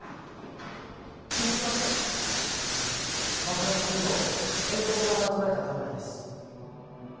見つけました爆発現場を遠方から捉えたカメラです